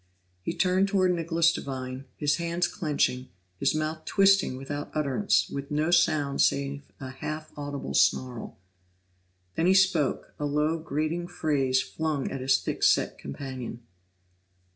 He turned toward Nicholas Devine, his hands clenching, his mouth twisting without utterance, with no sound save a half audible snarl. Then he spoke, a low, grating phrase flung at his thick set companion.